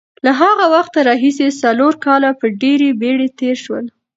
له هغه وخته راهیسې څلور کاله په ډېرې بېړې تېر شول.